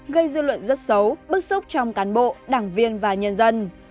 gây dư luận rất xấu bức xúc trong cán bộ đảng viên và nhân dân